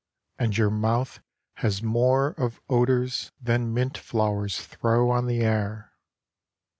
And your mouth has more of odours Than mint flowers throw on the air.